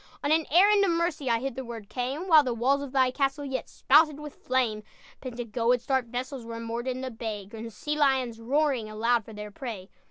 On an errand of mercy I hitherward came, While the walls of thy castle Yet spouted with flame. "Pentagoet's dark vessels Were moored in the bay, Grim sea lions, roaring Aloud for their prey."